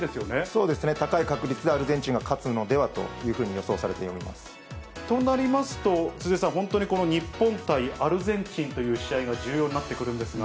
そうですね、高い確率でアルゼンチンが勝つのではというふうに予想されておりとなりますと、鈴江さん、本当にこの日本対アルゼンチンという試合が重要になってくるんですが。